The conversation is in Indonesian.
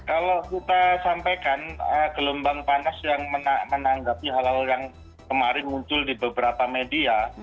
kalau kita sampaikan gelombang panas yang menanggapi hal hal yang kemarin muncul di beberapa media